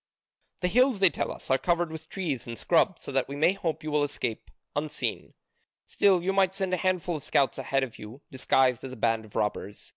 The hills, they tell us, are covered with trees and scrub, so that we may hope you will escape unseen: still you might send a handful of scouts ahead of you, disguised as a band of robbers.